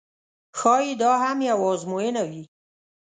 ښایي دا هم یوه آزموینه وي.